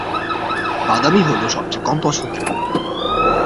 বাদামী হলো সবচেয়ে কম পছন্দের রঙ।